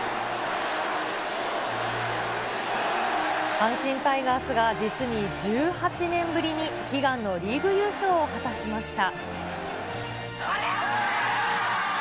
阪神タイガースが実に１８年ぶりに、悲願のリーグ優勝を果たしました。